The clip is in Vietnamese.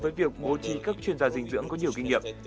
với việc mô trì các chuyên gia dinh dưỡng có nhiều kinh nghiệm